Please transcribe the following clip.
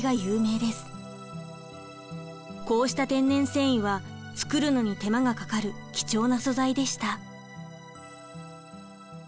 こうした天然繊維は作るのに手間がかかる貴重な素材でした。